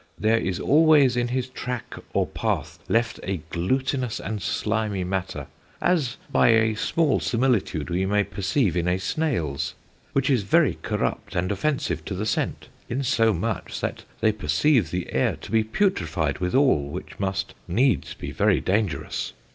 There is always in his tracke or path left a glutinous and slimie matter (as by a small similitude we may perceive in a snaile's) which is very corrupt and offensive to the scent; insomuch that they perceive the air to be putrified withall, which must needes be very dangerous.